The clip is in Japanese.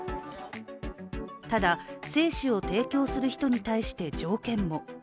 ただ、精子を提供する人に対して条件も。